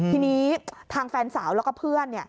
ทีนี้ทางแฟนสาวแล้วก็เพื่อน